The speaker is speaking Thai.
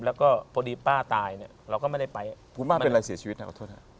แล้วก็พอดีป้าตายเนี่ยเราก็ไม่ได้ไปผู้บ้านเป็นไรเสียชีวิตนะอาทธิวดิ